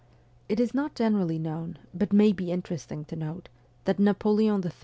It is not generally known, but may be interesting to note, that Napoleon III.